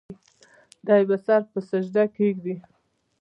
دے به سر پۀ سجده کيږدي